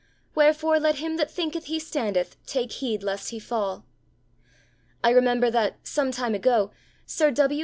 Wherefore let him that thinketh he standeth take heed lest he fall. I remember that, some time ago, Sir W.